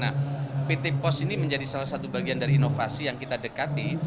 nah pt pos ini menjadi salah satu bagian dari inovasi yang kita dekati